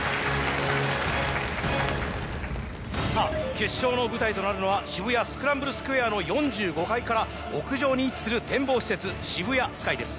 決勝の舞台となるのは渋谷スクランブルスクエアの４５階から屋上に位置する展望施設ＳＨＩＢＵＹＡＳＫＹです。